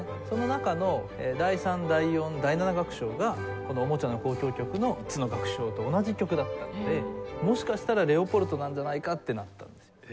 その中の第３第４第７楽章がこの『おもちゃの交響曲』の３つの楽章と同じ曲だったのでもしかしたらレオポルトなんじゃないかってなったんです。